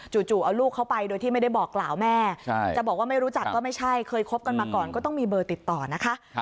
จู่เอาลูกเขาไปโดยที่ไม่ได้บอกกล่าวแม่จะบอกว่าไม่รู้จักก็ไม่ใช่เคยคบกันมาก่อนก็ต้องมีเบอร์ติดต่อนะคะ